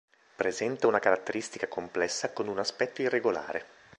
Presenta una caratteristica complessa con un aspetto irregolare.